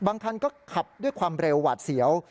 คันก็ขับด้วยความเร็วหวาดเสียว